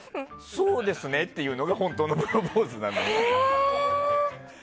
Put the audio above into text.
そうですねっていうのが本当のプロポーズなの。